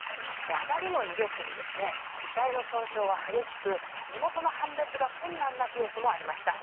あまりの威力に遺体の損傷が激しく身元の判別が困難なケースもありました。